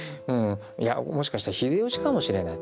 いやもしかしたら秀吉かもしれない。